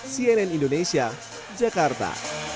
cnn indonesia jakarta